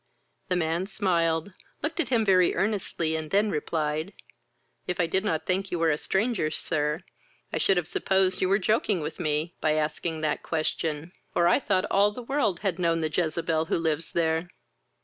The man smiled, looked at him very earnestly, and then replied, "If I did not think you were a stranger, sir, I should have supposed you were joking with me, by asking that question, for I thought all the world had known the Jezebel who lives there."